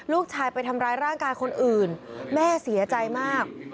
ลูกชายไปทำร้ายร่างกายคนอื่นแม่เสียใจมาก